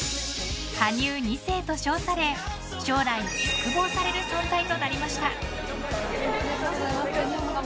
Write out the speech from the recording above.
羽生２世と称され将来を嘱望される存在となりました。